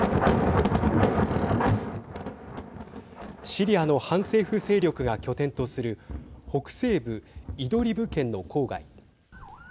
シリアの反政府勢力が拠点とする北西部イドリブ県の郊外。